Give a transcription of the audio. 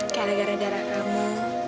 karena gara gara darah kamu